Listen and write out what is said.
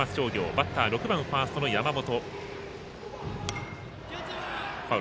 バッター６番ファーストの山本。